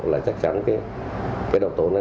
là chắc chắn cái độc tố này